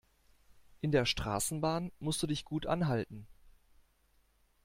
In der Straßenbahn musst du dich gut anhalten.